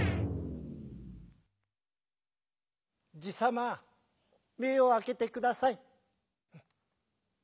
「じさまめをあけてください」。